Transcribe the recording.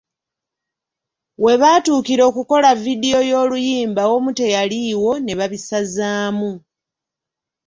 We baatuukira okukola vidiyo y’oluyimba omu teyaliiwo ne babisazaamu.